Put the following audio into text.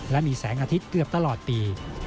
และมีแสงอาทิตย์เกือบตลอดปี